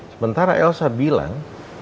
sementara elsa bilang